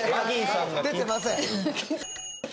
出てません・